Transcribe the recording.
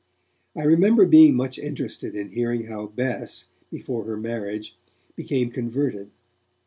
I remember being much interested in hearing how Bess, before her marriage, became converted.